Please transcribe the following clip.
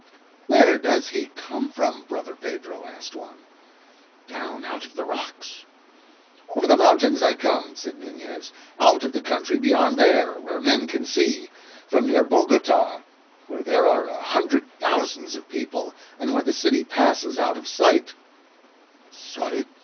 "Where does he come from, brother Pedro?" asked one. "Down out of the rocks." "Over the mountains I come," said Nunez, "out of the country beyond there where men can see. From near Bogota, where there are a hundred thousands of people, and where the city passes out of sight." "Sight?"